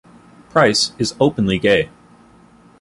Price is openly gay.